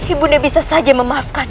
ibunda bisa saja memafikan